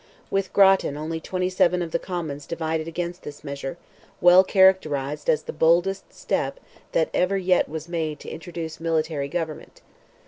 With Grattan only 27 of the Commons divided against this measure, well characterized as "the boldest step that ever yet was made to introduce military government."